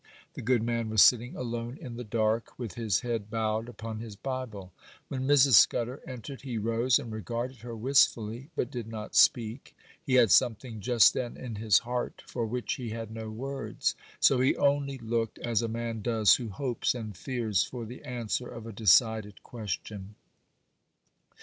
The good man was sitting alone in the dark, with his head bowed upon his Bible. When Mrs. Scudder entered, he rose and regarded her wistfully, but did not speak. He had something just then in his heart for which he had no words; so he only looked as a man does who hopes and fears for the answer of a decided question.